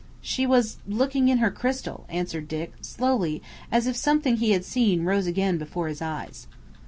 "She was looking in her crystal," answered Dick, slowly, as if something he had seen rose again before his eyes.